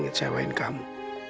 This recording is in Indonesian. silahkan tuhan frank